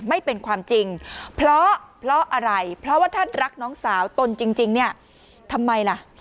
ไม่เป็นความจริงเพราะอะไรเพราะว่าท่านรักน้องสาวตนจริงเนี่ยทำไมล่ะ